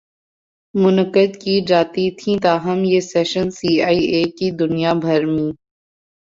منعقد کی جاتی تھیں تاہم یہ سیشنز سی آئی اے کی دنیا بھر می